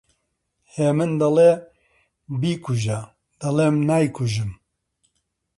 هێمن دەڵێ: بیکوژە! دەڵێم نایکوژم